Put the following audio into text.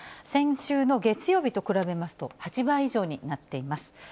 先週の月曜日と比べますと８倍以上になっています。